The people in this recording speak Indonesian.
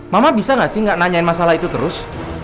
mama bisa gak sih gak nanyain masalah itu terus